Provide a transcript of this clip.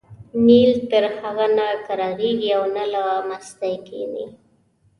نیل تر هغې نه کرارېږي او نه له مستۍ کېني.